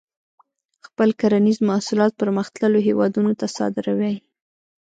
خپل کرنیز محصولات پرمختللو هیوادونو ته صادروي.